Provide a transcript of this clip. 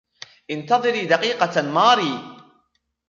إنتظري دقيقة, ماري!